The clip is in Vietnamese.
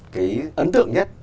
cái ấn tượng nhất